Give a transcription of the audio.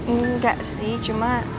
enggak sih cuma